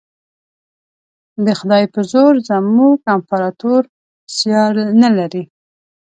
د خدای په زور زموږ امپراطور سیال نه لري.